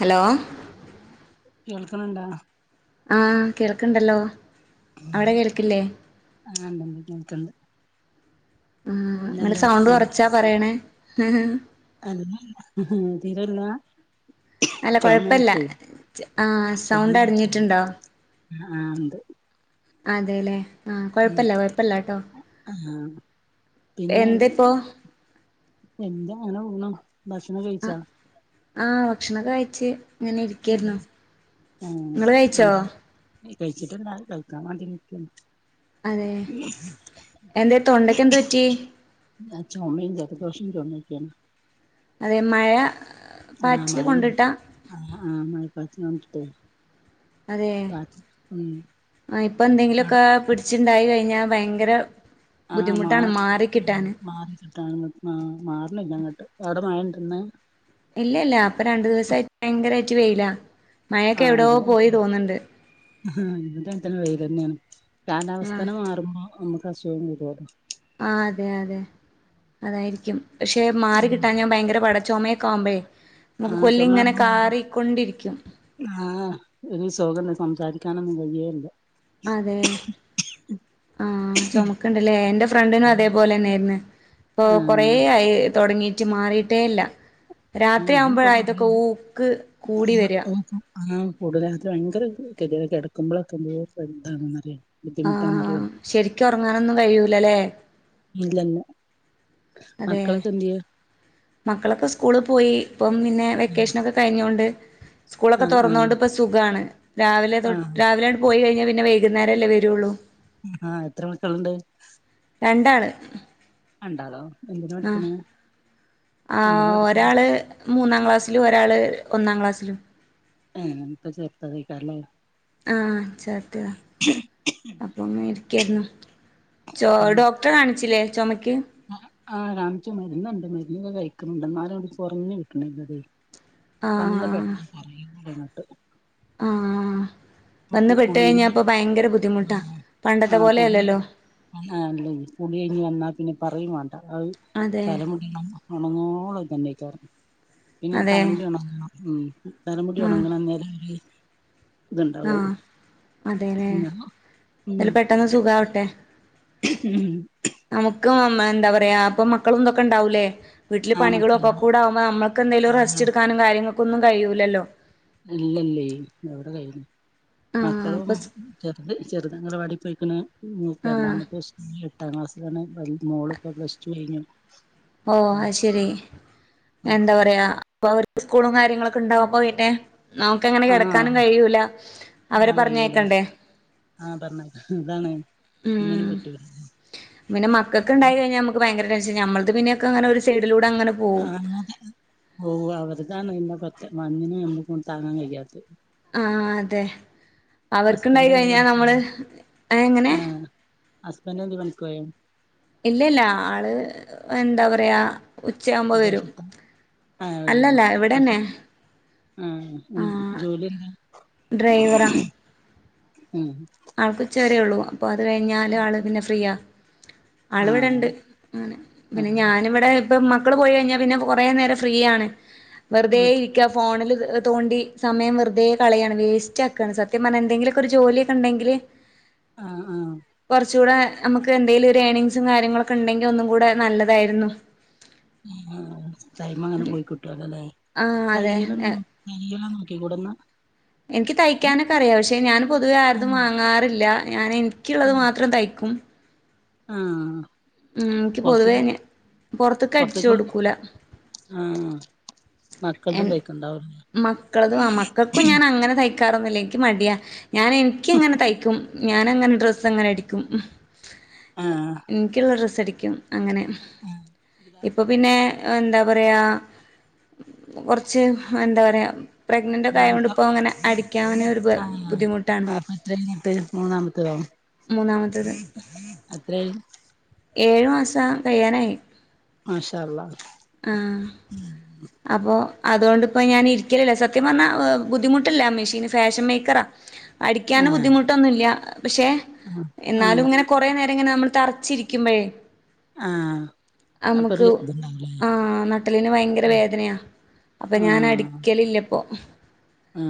Hello കേൾക്കണണ്ടാ ആഹ കേൾക്കണ്ടല്ലോ ആണ്ട കേക്കണ്ട് ഉ അങ്ങനെ സൗണ്ട് കുറച്ചാ പറയണേ ഹം അ തീരല്ല അല്ല കൊഴപ്പല്ല ചുമയായിട്ടേ ആഹ സൗണ്ട് അടിഞ്ഞിട്ടുണ്ടോ ആ ഉണ്ട് അതെല്ലേ ആ കുഴപ്പില്ല കുഴപ്പില്ല കേട്ടോ ആഹ് പിന്നെ എന്താണ് ആണ ബസന ആഹ് കഴിച്ചാ ആഹ് ഭക്ഷണ ക ആ ഇങ്ങനെ ഇരിക്കരുന്നു ആഹ് നിങ്ങള് കഴിച്ചോ കഴിച്ചിട്ടുണ്ട കഴിക്കാൻ വേണ്ടി നക്ക അതെ എന്താ തൊണ്ടൊക്കെ എന്ത് പറ്റി അഛ മ്മന്ത ദോഷി ചോന്നക്ക അതെ മഴ ആഹ പാറ്റില് മഴ കൊണ്ടിട്ടാ ആ ആ മ പത്തിനണ്ടട്ട പ ഉം ഇപ്പ അവിടെ എന്തെങ്കിലുമൊക്കെ പിടിച്ചിട്ടുണ്ടായി കഴിഞ്ഞാൽ ഭയങ്കര ആ ബുദ്ധിമുട്ടാണ് മാർ മാറിക്കിട്ടാന് മാറി കിട്ടാന് ആഹ് മാറ്ണില്ല ങ്ങട്ട് അടെ മയണ്ടന്ന്? ഇല്ലല്ല. അപ്പൊ രണ്ടു ദിവസായിട്ട് ഭയങ്കരാ യിറ്റ് വെയിലാ. മയൊക്കെ എവിടോ പോയി തോന്ന്ണ്ട്. ഹാ ഇവിടെ അങ്ങൻതന്നെ വെയ്ലെന്നെണ്. ആഹ് കാലാവസ്ഥന മാറുമ്പോ നമ് ക്കസുഖം വരു റിം. ആ അതെ അതെ. അതായിരിക്കും. പക്ഷെ മാറി കിട്ടാഞാ ഭയങ്കര പാട ചൊമെയെക്കാവുമ്പഴേ. ആഹ് ചൊമാവുമ്പോ മാറി ആഹ് ഒര് സൊഖന്നെ സംസാരിക്കാനൊന്നും കഴിയേ ല്ല. അതെ ആഹ് ചുമക്ണ്ടല്ലേ. എൻ്റെ ഫ്രണ്ടിനും അതേപോലെന്നെയിര്ന്ന് ഇപ്പൊ കൊറേ ആഹ് ആയി തൊടങ്ങീട്ട് മാറിയിട്ടേല്ല. ആഹ് ഇനിയിപ്പോ രാത്രിയാവുമ്പഴാ ഇതൊക്കെ കൊറയും ഊക്ക് കൂടി വരാ. കൂടുതലാ. അത് ഭയങ്കര കെത്യേടാ കെടക്കുമ്പളൊക്കെന്തോര് ഇതാണെന്ന് അറിയൊ. ആഹ ശരിക്ക ഉറങ്ങാനൊന്നും കഴിയൂല ല്ലലേ ഇല്ലല്ല അതെ മക്കളൊക്കെ എന്തിയെ മക്കളൊക്കെ സ്കൂള് പോയി ഇപ്പം പിന്നെ വെക്കേഷനൊക്കെ കഴിഞ്ഞോണ്ട് സ്കൂളൊക്കെ ആഹ് ആഹ് തുറന്നോണ്ട് ഇപ്പ സുഖാണ് രാവിലെ തൊട്ട് ആഹ് രാവിലെട് പോയി കഴിഞ്ഞ പിന്നെ വൈകുന്നേംല്ലേ വരുള്ളൂ ആഹ എത്ര മക്കള്ണ്ട് രണ്ടാള് രണ്ടാളോ എന്തിന ആ പഠിക്കണെ ആ ഒരാള് മൂന്നാം ക്ലാസ്സിലും ഒരാള് ഒന്നാം ക്ലാസ്സിലും എ പ്പ ചേർത്തതേക്കാരം ലെ ആ ചെ ത്തിയതാ അപ്പങ്ങ ഇരിക്കായിരുന്നു ചോ ഡോക്ടറെ കാണിച്ചില്ലേ ചൊമക്ക് ആ കാണ്ച്ചു മരുന്നുണ്ട് മരുന്നൊക്കെ കഴിക്കുന്നുണ്ട് ന്നാലുആണ്ട് കൊറഞ്ഞ് കിട്ട്ണ്ല്ലടി ആ പന്ന് [inaudible] ആ വന്ന് പെട്ട് കുളി കഴിഞ്ഞാൽ ഇപ്പോ ഭയങ്കര ബുദ്ധിമുട്ടാ ആ പണ്ടത്തെ കുളില്ല പോലെയല്ലല്ലോ പുളിഴിഞ്ഞഞ് വന്നാ പിന്നെ പറയും വേണ്ട അത് അതെ തലമുടിള ഉണങ്ങള തന്നെയക്കരുന്നു പിന്നൊന്ന് അതെ തലുടി ഉണ ഉം ആ തലമുടിയൊണങ്ങനെന്നെ [inaudible] [unintelligible] അതെലേ പിന്നെ അല് പെട്ടന്ന് സുഖവട്ടെ ഉം ക്ക് എന്താ പറയാ അപ്പൊ മക്കളു ന്തൊക്കെണ്ടാവൂലേ വീട്ടിൽ ആഹ് മക്കളെല്ലാം പണികളൊക്കെകൂടെ ആക്പോ നമ്മക്ക് എന്തങ്കിലും ആഹ് റസ്റ്റ് എടുാനും കാര്യങ്ങ ഒന്നും കഴിയൂലല്ലോ ഇല്ലല്ല എവിടെ കയ്ണു ആഹ് മക്കളും അപ്പൊ ചെറുത് ചെറുതങ്ങനവാടി പോയിക്കണ് ആഹ് കണ്ടാമുക്ക് സ്കൂ [inaudible] ട്ടാം ക്ലാസിലാണ് മോളൊപ്പൊ പ്ലസ്റ്റു കഴിഞ്ഞു ഓ അ ശെരി എന്താ പറയാ പ്പൊ അവര്ക് സ്കൂളും കാര്യങ്ങളൊക്കെ ഉണ്ടാവുപ്പൊ പിന്നെ നമുക്ക്ങ്ങനെ കിടക്കാനും ആഹ് കഴിയൂല അവരെ ആ കഴിയൂല പറഞ്ഞേക്കണ്ടേ ആഹ് പറഞ്ഞത് അതാണ് ഒന്നിനും ഉം പറ്റൂല പിന്നെ മക്കൾക്ക് ഉണ്ടായി കഴിഞ്ഞാൽ നമുക്ക് ഭയങ്കര ടെൻ ഞമ്മൾ ആ ഓ അവര്താണ് ഇന്നെ മഞ്ഞിന് നമ്മുക്ക് കൊ താങ്ങാൻ കഴിയാത്തത് ആ അതെ അവർക്കുണ്ടായി ഹസ്ബൻഡ് എന്തേ കഴിഞ്ഞാ പണിക്കോയോ നമ്മള് എങ്ങനെ ഹസ്ബൻഡ എന്തി മനസ്സിലായോ ഇല്ലല്ല ആള് എന്താ പറയാ ഉച്ചയാവുമ്പോ വരും വിദേശത്ത ആോ അല്ലല്ല പക്ഷ ഇവിടെന്നെ ആഹ ആഹ് ജോലില്ല [unintelligible] ആൾക്ക ഉച്ചരെേ ഉള്ളൂ അപ്പൊ അത് കഴിഞ്ഞാലല് ആള് പിന്നെ ഫ്രീ ആ ആള ഇവിടെ ആഹ് ഉണ്ട് അങ്ങനെ പിന്നെ ആഹ് ഞാനിവിടെ ഇപ്പം മക്കൾ പോയി കഴിഞ്ഞാൽ പിന്നെ കുറേ നേരം ഫ്രീ ആണ് വെറുതെ വീട്ട് ഇരിക്കുക ഫോണില് തോണ്ടി സമയം വെറതെ കളയാണ് വേസ്റ്റ് ആുകയ സത്യ പറഞ്ഞ എന്തെങ്കിലൊക്ക ഒരു ജോലി ഉണ്ടെങ്കിൽ ആഹ ആഹ നമുക്ക് എന്തെലും ഒരു ഏണിങ്സും കാര്യങ്ങളൊക്കെ ഉണ്ടെങ്കിൽ ഒന്നും കൂടെ നല്ലതായിരുന്നു ആഹ തൈമ്മ അങ്ങനെ പോയി കിട്ടുവല്ലോല്ലേ ആഹ് അതെ തയ്യല തയ്യല നോക്ക കൂടന്ന് എനിക്ക് തയ്ക്കാനൊക്കെ അറിയ പക്ഷെ ഞാൻ പൊതുവേ ആരന്നും വാങ്ങാറില്ല ഞറെ തക്കുള്ളത് മാത്രം തയ്ക്കും ആഹ ഉ എനിക്ക് പൊതുവേന്നെ പുൊറത്തൊക്ക അടിച്ചു പൊറത്തേക്ക് കൊടുക്കൂല ആഹ് എ മക്കൾതും തയ്ക്കണ്ടാവുല്ലേ മക്കളത് ആ മക്കൾക്കും ഞാൻ അങ്ങനെ ത ക്കാറൊന്നുമല്ല എനി മടിയാ ഞാൻ എനിക്ക് എങ്ങനെ തയ്ക്കും ഞാന അങ്ങനെ ഡ്രസ്സ് എങ്ങനെ അടിക്കും ആഹ് എനിക്കുള്ള സഠിക്കും അങ്ങനെ ആഹ് ഇപ്പോൾ പിന്നെ എന്താ പറയുക കുറച്ച് എന്താ പറയാ പ്രഗ്നന്റ് ഒക്കെയൊണ്ട് ഇപ്പോ അങ്ങനെ അടിക്കാവൻ ഒരു ബുദ്ധിമുട്ടാണ് അപ്പൊ എത്ര കഴിഞ്ഞിട്ട് മൂന്നാമത്തെ തട അത്രയും ഏഴു അസം കയ്യാനായി മാഷാ ആ അപ്പോോ അതുകൊണ്ടിപ്പ ഞാൻ ഇരിക്കലില്ല സത്യം പറഞ്ഞാൽ ബുദ്ധിമുട്ടില്ല മെഷീന് ഫാഷൻ മേക്കറാ അടിക്കൻ ആഹ് ബുദ്ധിമുട്ടൊന്നുമില്ല പക്ഷെ ആഹ് എന്നാലും ആഹ് ഇങ്ങനെ കൊറ നേര ങ്ങെ നമ്മൾ തറച്ചിരിക്കുമ്പോഴേ ആ അപ്പത് [unintelligible] ആ നട്ടെല്ലിന്ന് ഭയങ്കര വേദനയാ അപ്പൊ ഞാൻ അടിക്കലില്ലപ്പോ ആ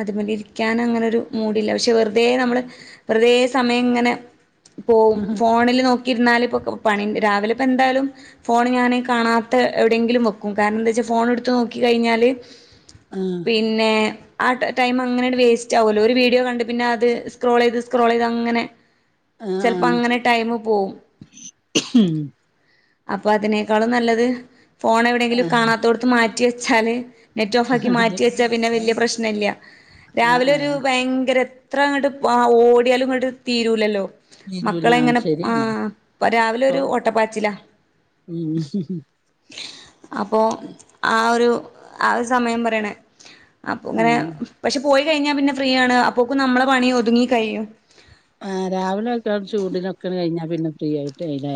അത് മല് ഇരിക്കാൻ അങ്ങനൊരു മൂഡില്ല പക്ഷെ വെർ തേ നമ്മള് വെറ്തേ സമയംങ്ങനെ പോ ഫോണില് നോ ക്കിരുന്നാലിപ്പൊ പണിണ്ട് രാവിലെപ്പെന്തായാലും ഫോണ് ഞാന് കാണാത്ത എവിടെയെങ്കിലും വെക്കും കാരണം ന്താച്ചാ ഫോൺ എടുത്തു നോക്കി കഴിഞ്ഞാല് ആഹ് പിന്നെ ആ ടൈം അങ്ങനേണ്ട് വേസ്റ്റാവോലാേ ഒര് വീഡിയോ കണ്ട് പിന്നെ അത് സ്ക്രോളെയ്ത് സ്ക്രോളെയ്ത് അങ്ങനെ ആഹ് ചെലപ്പോ ആഹ് അങ്ങനെ ടൈമ് പോവും ഉം അപ്പൊ അതിനേക്കാളും നല്ലത് ഫോൺ എവിടെയെങ്കിലും ആഹ് കാണാത്തോട്ത്ത് മാ റ്റി വെച്ചാല് നെറ്റ് ഓഫാക്കി മാറ്റിവെച്ചാ പിന്നെ വല്യ പ്രശ്നല്ല്യ ആഹ് രാവിലെ ഒരു ആഹ് ഭയങ്കര ത്ര ഇങ്ങട്ട് ഓടിയാലും ഇങ്ങട്ട് തീരൂലല്ലോ മക്കളെ ഇങ്ങനെ ആ ശരിയാണ് രാവിലെ ഇപ്പൊ ഒരു ഓട്ടപ്പാച്ചിലാ ഉം അപ്പോ ആ ഒരു ആ ഒരു സമയം പറയണ് അപ്പൊങ്ങനെ ആഹ് പക്ഷെ പോയി കഴിഞ്ഞാ പിന്നെ ഫ്രീ ആണ് അപ്പോക്കും നമ്മളെ പണി ഒതുങ്ങി കഴിയും ആഹ് രാവിലെ ഒക്കെ ചൂടിനൊക്കെ കഴിഞ്ഞാ പിന്നെ ഫ്രീയായി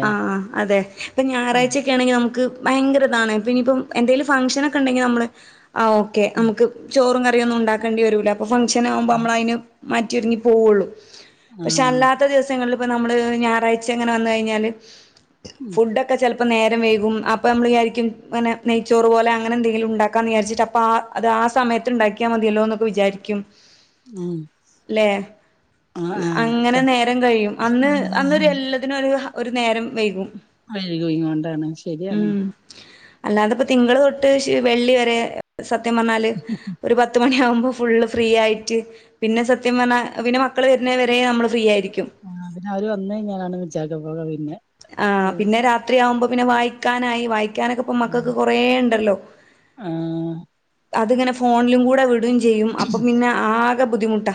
ആ അ അതെ പ്പം ഉം ഞായറായ്ച്ചെക്കെ ആണെങ്കിൽ നമ്ക്ക് ഭയങ്കര ഇതാണ് പിന്നെ ഇപ്പം എന്തേലും ഫംഗഷനാെക്കെ ഇണ്ടെങ്കി നമ്മള് ആ ഓക്കെ ഉം നമുക്ക് ചോറും ക റിയൊന്നും ഉണ്ടാക്കേണ്ടി വരൂല ഇപ്പ ഫംഗ്ഷനവുമ്പോ ആഹ് മ്മള് അയ്ന് മാറ്റിഒരുങ്ങി പോവുള്ളു പക്ഷെ ആഹ് അല്ലാത്ത ദിവസങ്ങൾല് ഇപ്പ നമ്മള് ഞായാഴ്ച്ചങ്ങനെ വന്ന് കയ്ഞ്ഞാല് ഉം ഫുഡ്‌ ഓകെ ചെലപ്പോ അപ്പം നേരം വേകും അപ്പം നമ്മൾ വിചാരിക്കുംങ്ങനെ നെയ്ച്ചോറ് പോലെ അങ്ങനെ എന്തെങ്കിലും ഉണ്ടാക്കാന്ന് വിചരിച്ചിട്ട് അപ്പ ആഹ് അത് ആഹ് സമയത്ത് ഉണ്ടാക്കിയാൽ മതിയല്ലോ എന്നൊക്കെ വിചാരിക്കും ഉം ല്ലെ ആഹ് അങ്ങനെ ആഹ് നേരം കഴിയും അന്ന് അങ്ങനെ അന്നൊരു എല്ലാത്തിനും ഒരു ഒരു നേരം വൈകും അഴുകൂകൊണ്ടാണ് ശരിയാണ് അല്ലാതെ ഇപ്പോ തിങ്ങള് തൊട്ട് വെള്ളി വരെ സത്യം പറഞ്ഞാല് ഒരു പത്ത് മണിയാവുമ്പോ ഫുള് ഫ്രീ ആയിട്ട് പിന്നെ സത്യം പറഞ്ഞാൽ പിന്നെ മക്കള് വരുന്ന വരെ നമ്മള് ഫ്രീ ആയിരിക്കും ആഹ് പിന്നെ അവര് വന്ന് കഴിഞ്ഞാനാണ് [unintelligible] ആഹ് പിന്നെ രാത്രി ആവുമ്പോ പിന്നെ വായിക്കാനായി ക്കാനൊക്കെപ്പോ ഉം മക്കൾക്ക് കൊറേ ഉണ്ടല്ലോ ആഹ് അതിങ്ങന്നെ ഫോണിലുംകൂടെ വി ടെയും ചെയ്യും അപ്പൊ പിന്നെ ആഹ് നല്ല ബുദ്ധിമുട്ട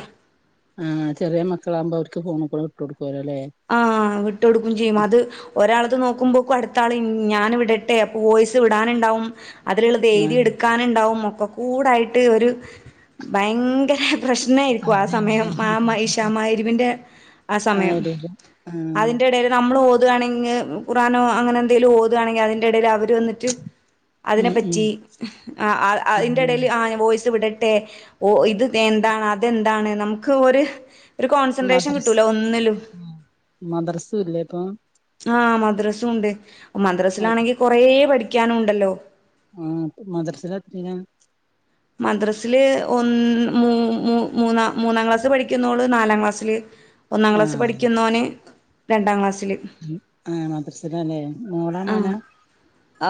ആഹ് ചെറിയ മക്കളാകുമ്പോ അവർക്ക് ഫോണിക്കൂടെ വിട്ട് കൊടുക്കുവല്ലോല്ലേ ആഹ് വിട്ടൊടുക്കയും ചെയ്യും അത് ഒരാളത് നോക്കുമ്പോക്ക അടുത്ത ആള് ഞാൻ വിടട്ടെ അപ്പൊ വോയിസ് വിടാനുണ്ടാവും അതിലുള്ളത് എഴുതി ആഹ് എടുക്കാനുണ്ടാവും ഓക്കകൂടായിട്ട് ഒരു ഭയങ്കര പ്രശ്നായിരിക്കും ആഹ് സമയം അതേണ്ല്ലേ [unintelligible] എരിവിന്റെ ആഹ് സമയം എടേല് ആഹ് അതിന്റെ ഇടയിൽ നമ്മ നമ്മള് ഓുകയാണെങ്കിൽ ഓതുകയാണങ്കിൽ കുറാനോ അങ്ങനെന്തേലും ഓതുകയാണങ്കിൽ അതിന്റെ ഇടയിൽ അവര് വന്നിറ്റ് അതിനെ ഉം ഉം പറ്റി ഉം ആയിന്റെടയില്ല് ആഹ് വോയിസ്‌ വിട ട്ടെ ഓ ഇത് എന്താണ് അതെന്താണ് നമ്മുക്ക് ഒരു ഒരു കോൺസെൻട്രേഷൻ മദ്രസ് കിട്ടൂല ഒന്നിലും മദ്രസും ഇല്ലേ ഇപ്പൊ ആഹ് മദ്രസും ഉണ്ട് മദ്രസിലാണെങ്കിൽ കുറേ പഠിക്കൻ പഠിക്കാനും ഉണ്ടല്ലോ ആഹ മദ്രസയിൽ എത്രയില മദ്രസില് ഒ മൂന്നാം മൂന്നാം ക്ലാസ് പഠിക്കുന്നോളു നാലാം ക്ലാസ്സില് ഒന്നാം ക്ലാസ്സിൽ ആഹ് പഠിക്കുന്നോൻ രണ്ടാംക്ലാസ്സിൽ ആഹ് മദ്രസിലല്ലേ മോളാ ആ മോനാ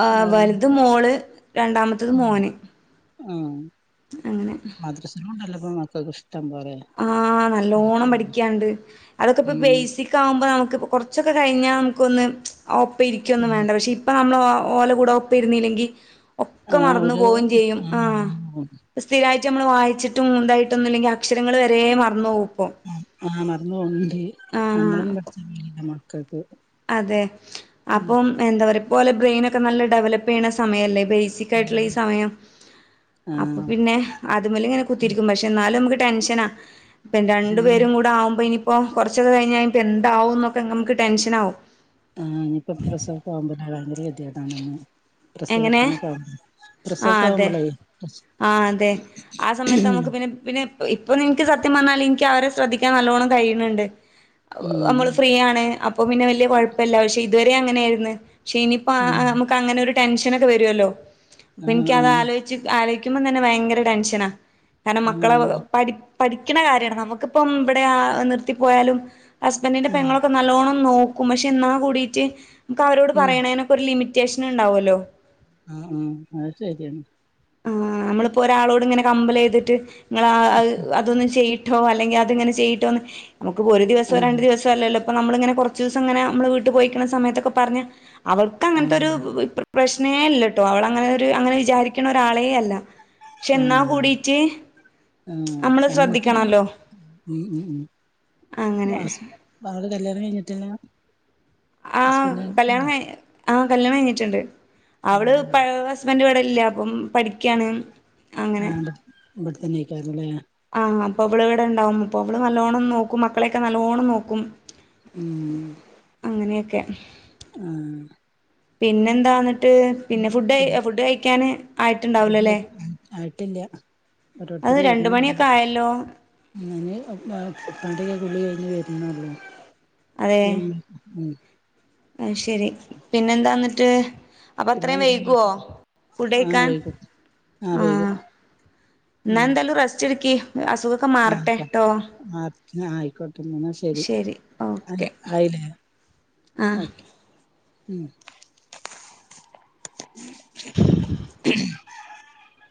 ആ മോളും വലുത് മോൾ രണ്ടാമത്തത് മോൻ ആ അങ്ങനെ താ മക്കക്കിഷ് ആ നല്ലോണം പഠിക്കാൻയിണ്ട് അതൊക്കെ ഇപ്പോ ഉം ബേസിക്ക് ആവുമ്പോ നമുക്ക് കൊറച്ചൊക്കെ കഴിഞ്ഞാ നമുക്കൊന്ന് ഒപ്പം ഇരിക്കുമൊന്നും വേണ്ട പക്ഷേ ഇപ്പ നമ്മൾ ഒ ഓലെ കൂടെ ഒപ്പ ഇരുന്നല്ലെങ്കിൽ ഒക്കെ ആഹ് മറന്നു ഒരു പോവുകയും ചെയ്യും ആഹ് ആ മറന്നു പോകും സ്ഥിരായി റ്റ് നമ്മൾ വായിച്ചിട്ട് മൂതായിട്ടൊന്നും ഇല്ലെങ്കിൽ അക്ഷ രങ്ങള് വരെേ മറന്നുപോകും ആ മറന്ന് പോവുന്നുണ്ട് ആഹ് നമ്മളൊന്നും പഠിച്ചിട്ടില്ല ക്കക്ക് അതെ അപ്പം എന്താ പറയാ ഇപ്പോലെ ബ്രെയിൻ ഒക്കെ നല്ല ഡെവല്പ്പ് ചെയ്യണ സമയല്ലേ ബേസിക് ആയിട്ടുള്ള ഈ ഉം സമയം അപ്പൊ ആഹ് പിന്നെ അത്മല് ഇങ്ങനെ കുത്തിരിക്കും പക്ഷെ എന്നാലും നമുക്ക് ടെൻഷനാ ഇപ്പം രണ്ടു ഉം പേരും കൂടെ ആവുമ്പോ ഇനി ഇപ്പോ കുറച്ചൊക്കെ കഴിഞ്ഞ ഇനി എന്താവും എന്നൊക്കെ നമുക്ക് ടെൻഷൻ ആകും ആ ഇനിയിപ്പൊ പ്രസവൊക്കെ ആകുമ്പോ ഭയങ്കര ഗതികേടാണന്ന് എങ്ങനെ പ്രസവത്തിനൊക്കെ ആവുമ്പോ പ്രസവോക്കെ ആവുമ്പൊളേ ആ അതെ ആ സമയത്ത് നമുക്ക് പിന്നെ പിന്നെ ഇപ്പൊ നിനക്ക് സത്യംപറഞ്ഞാൽ എനിക്ക് അവരെ ശ്രദ്ധിക്കാൻ നല്ലോണ്ണം കഴിയ്ണുണ്ട് ഉം നമ്മള് ഫ്രീയാണ് അപ്പൊ പിന്നെ വല്യ കുഴപ്പല്ല പക്ഷെ ഇതുവരെ അങ്ങനെയായിരുന്നു പക്ഷെ ഇനിയിപ്പോ ആ ഉം ആ നമുക്ക് അങ്ങനെ ഒരു ടെൻഷനൊക്കെ വരുവല്ലോ ആഹ് അപ്പൊൻക്ക് അത് ആഹ് ആലോചിച്ച് ആലോ ക്കുമ്പോ തന്നെ ഭയങ്കര ടെൻഷനാ കാരണം മക്കളെ ഉം പടി പടി ക്കിണ കാര്യാണ് നമുക്കിപ്പം ഇവിടെ നിർത്തിപ്പോയാലും ഹസ്ബൻഡിന്റെ പെങ്ങളൊക്കെ നല്ലോണം നോക്കും ക്കും പക്ഷെ എന്നാ കൂടീറ്റ് നമക്ക് അവരോട് ഉം പറയണേ നൊക്കെ ഒരു ലിമി ടിസ്റ്റേഷൻ ഉണ്ടാവുവല്ലോ ആ മൂ അത്ശരിയാണ് ആ നമ്മളിപ്പോ ഒരാളോട് ഇങ്ങനെ കമ്പലെയ്തിട്ട് നിങ്ങളാ ആത് അതൊന്നും ചെയ് ട്ടോ അല്ലെങ്കിൽ അതിങ്ങനെ ചെയ്ട്ടോന്ന് നമുക്ക് ഒരു ദിവസോ രണ്ട് ആഹ് ദിവസോല്ലല്ലോ അപ്പ നമ്മളിങ്ങന കൊറച്ച് ദിവസംങ്ങനെ നമ്മള് വീട്ട് പോയിക്കുന്ന സമയത്തൊക്കെ പറഞ്ഞ അവർക്ക് ആഹ് അങ്ങനത്തൊരു പ്രശ്നേയില്ലട്ടോ അവളങ്ങനൊരു അങ്ങനെ വിചാരി രിക്കണ ഒരാളേയല്ല ഉം ഉം നമ്മള് എമക്ക് ശ്രദ്ധിക്കണല്ലോ ഉം ഉം ഉം അങ്ങനെ കല്ല്യാണം കഴിഞ്ഞിട്ടെന്യ ആ കല്യാണം കൈ ആ കല്യാണം കഴിഞ്ഞിട്ടുണ്ട് അവള് പഴയ ഹസ്ബന്റൂടേ ഇല്ല അപ്പം പഠിക്കാണ് അങ്ങനെ നാടോ ഇവിടത്തന്നെ അയിക്കാരുന്നല്ലേയ ആഹ് അപ്പൊ അവള് ഇവിടെ ഉണ്ടാവും അപ്പൊ അവള് നല്ലോണം നോക്കും മക്കളെയൊക്കെ നല്ലോണം നോക്കും ഉം [unintelligible] ആ പിന്നെന്താണ് ട്ട് പിന്നെ ഫുഡെ പിന്നെ ഫുഡ് കഴിക്കാന് ആയിട്ടുണ്ടാവുലല്ലേ ട്ടില്യ ഓരോരുത്തര് വര്ന്നൊ ആയല്ലോ നിങ്ങൾ [unintelligible] ഉപ്പുണ്ടേയിതില്ല് [unintelligible] വരുന്നുള്ളു പിന്നെ മൂ അയ്ശരി പിന്നെന്താന്നിട്ട് അപ്പ അത്രയും പിന്നെന്താ വൈകുവോ ആഹ് ഫുഡെയ്ക്കാൻ വൈകും ആഹ് ആ വൈകും എന്നാ ഉം എന്തേലും റസ്റ്റ് ക്കെ അസുഖൊക്കെ മാറട്ടെ ട്ടോ എന്നായിക്കോട്ടെ എന്ന ശെരി ശരി ഓക്കെ ആയിലേ ആഹ് ഓക്കെ മൂ [unintelligible] [unintelligible]